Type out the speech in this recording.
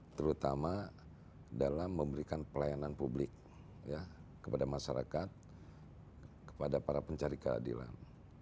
terutama dalam memberikan pelayanan publik kepada masyarakat kepada para pencari keadilan